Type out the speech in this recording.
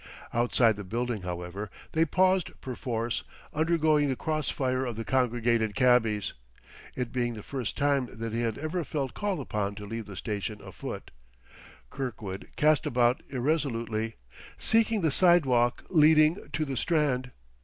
Outside the building, however, they paused perforce, undergoing the cross fire of the congregated cabbies. It being the first time that he had ever felt called upon to leave the station afoot, Kirkwood cast about irresolutely, seeking the sidewalk leading to the Strand.